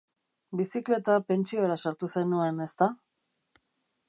Bizikleta pentsiora sartu zenuen, ezta?